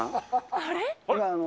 あれ？